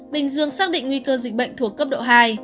bình dương xác định nguy cơ dịch bệnh thuộc cấp độ hai